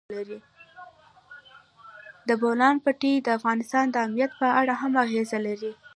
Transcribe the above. د بولان پټي د افغانستان د امنیت په اړه هم اغېز لري.